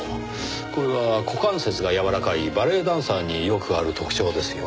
これは股関節がやわらかいバレエダンサーによくある特徴ですよ。